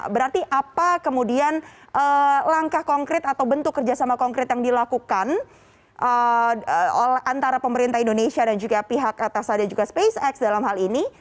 berarti apa kemudian langkah konkret atau bentuk kerjasama konkret yang dilakukan antara pemerintah indonesia dan juga pihak atas dan juga spacex dalam hal ini